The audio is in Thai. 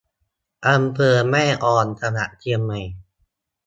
อำเภอแม่ออน จังหวัดเชียงใหม่